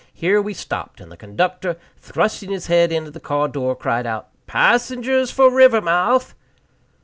Here we stopped, and the conductor, thrusting his head in at the car door, cried out, "Passengers for Rivermouth!"